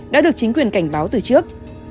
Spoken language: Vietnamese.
đã được chính quyền cảnh báo từ trước